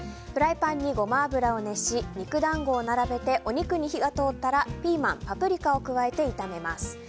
フライパンにゴマ油を熱し肉団子を並べてお肉に火が通ったらピーマン、パプリカを加えて炒めます。